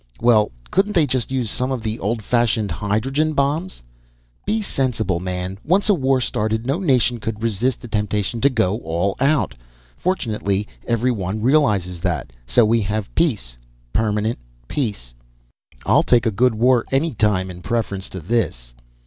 "Well, couldn't they just use some of the old fashioned hydrogen bombs?" "Be sensible, man! Once a war started, no nation could resist the temptation to go all out. Fortunately, everyone realizes that. So we have peace. Permanent peace." "I'll take a good war anytime, in preference to this."